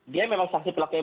dia memang saksi pelakunya